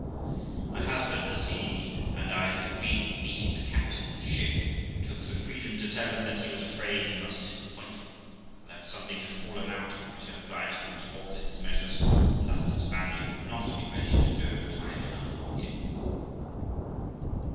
My husband, as he and I had agreed, meeting the captain of the ship, took the freedom to tell him that he was afraid he must disappoint him, for that something had fallen out which had obliged him to alter his measures, and that his family could not be ready to go time enough for him.